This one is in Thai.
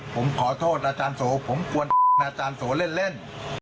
ผมขอโทษอาจารย์โสผมควรอาจารย์โสเล่น